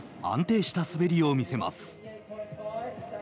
安定した滑りを見せます。